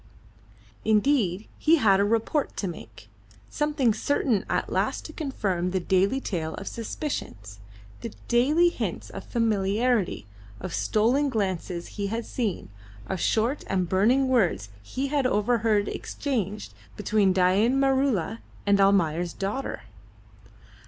Indeed, he had a report to make. Something certain at last to confirm the daily tale of suspicions, the daily hints of familiarity, of stolen glances he had seen, of short and burning words he had overheard exchanged between Dain Maroola and Almayer's daughter.